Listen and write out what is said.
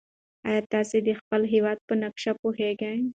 ایا تاسي د خپل هېواد په نقشه پوهېږئ؟